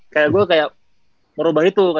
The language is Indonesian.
kayak gue merubah itu